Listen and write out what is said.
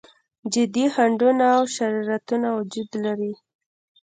جدي خنډونه او شرارتونه وجود لري.